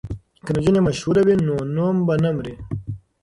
که نجونې مشهورې وي نو نوم به نه مري.